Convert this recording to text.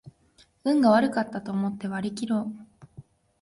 運が悪かったと思って割りきろう